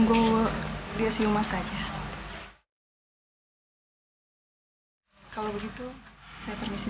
kalau begitu saya permisi dulu kalau begitu saya permisi dulu